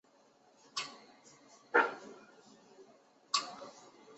通称伊又卫门或猪右卫门。